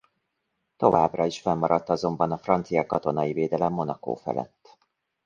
Továbbra is fennmaradt azonban a francia katonai védelem Monaco felett.